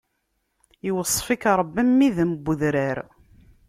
Iweṣṣf-ik Ṛebbi am widen n wudrar.